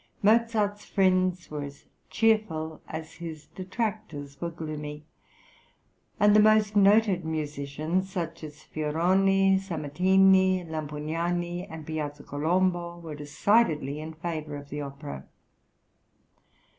Mozart's friends were as cheerful as his detractors were gloomy, and the most noted musicians, such as Fioroni, Sammartini, Lampugnani, and Piazza Colombo were decidedly in favour of the opera.